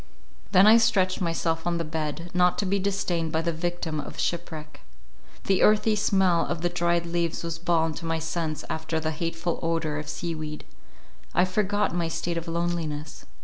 Then I stretched myself on the bed, not to be disdained by the victim of shipwreck. The earthy smell of the dried leaves was balm to my sense after the hateful odour of sea weed. I forgot my state of loneliness.